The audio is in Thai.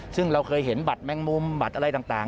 ซึ่งเราเคยเห็นบัตรแมงมุมบัตรอะไรต่าง